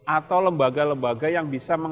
atau lembaga lembaga yang bisa